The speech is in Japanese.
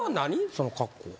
その格好は。